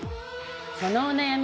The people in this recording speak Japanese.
そのお悩み